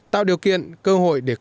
tạo điều kiện cơ hội để cấp ủy